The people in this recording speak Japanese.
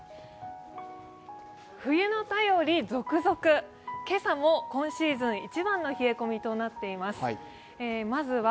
冬の便り続々、今朝も今シーズン一番の冷え込みとなっています。